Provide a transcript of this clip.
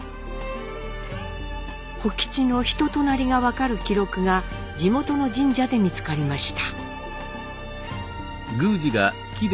甫吉の人となりが分かる記録が地元の神社で見つかりました。